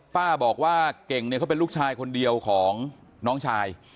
ป้าบอกว่าเก่งเนี่ยเขาเป็นลูกชายคนเดียวของน้องชาย